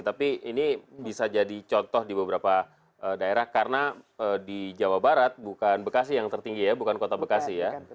tapi ini bisa jadi contoh di beberapa daerah karena di jawa barat bukan bekasi yang tertinggi ya bukan kota bekasi ya